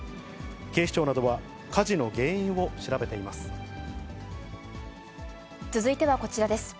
警視庁などは、火事の原因を調べ続いてはこちらです。